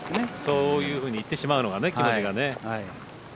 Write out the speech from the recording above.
そういうふうにいってしまうのがね、気持ちがね。